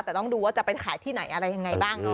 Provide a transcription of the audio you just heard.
แต่ต้องดูว่าจะไปขายที่ไหนอะไรยังไงบ้าง